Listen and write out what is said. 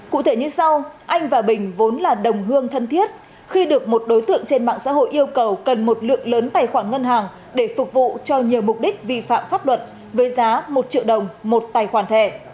cụ thể như sau anh và bình vốn là đồng hương thân thiết khi được một đối tượng trên mạng xã hội yêu cầu cần một lượng lớn tài khoản ngân hàng để phục vụ cho nhiều mục đích vi phạm pháp luật với giá một triệu đồng một tài khoản thẻ